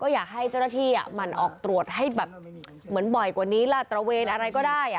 อยากให้เจ้าหน้าที่หมั่นออกตรวจให้แบบเหมือนบ่อยกว่านี้ล่ะตระเวนอะไรก็ได้